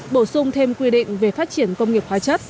bổ sung thêm quy định về phát triển công nghiệp hóa chất